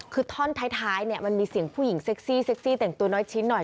คือท่อนท้ายมันมีเสียงผู้หญิงเซ็กซี่เตรียมตัวน้อยชิ้นหน่อย